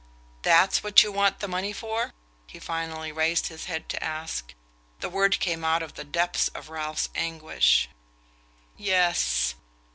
"That's what you want the money for?" he finally raised his head to ask. The word came out of the depths of Ralph's anguish: "Yes."